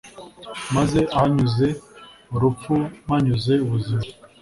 maze ahanyuze urupfu mpanyuze ubuzima.